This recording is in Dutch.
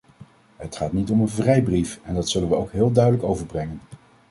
Het gaat niet om een vrijbrief en dat zullen wij ook heel duidelijk overbrengen.